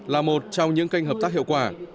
là một trong những kênh hợp tác hiệu quả